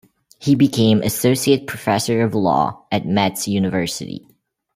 He became associate professor of Law at Metz university.